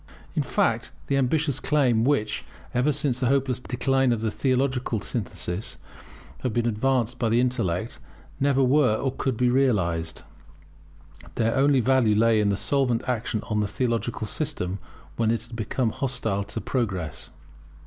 In fact, the ambitious claims which, ever since the hopeless decline of the theological synthesis, have been advanced by the intellect, never were or could be realized. Their only value lay in their solvent action on the theological system when it had become hostile to progress.